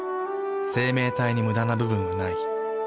生命体にムダな部分はない。